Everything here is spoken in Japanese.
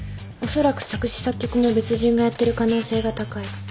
おそらく作詞作曲も別人がやってる可能性が高い。